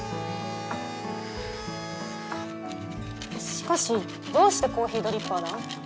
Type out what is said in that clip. しかしどうしてコーヒードリッパーだ？